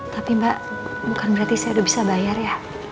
tapi mbak bukan berarti saya udah bisa bayar ya